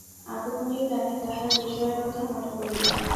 আগমনীর গানে তাঁহার বিজয়ার কথা মনে পড়িল।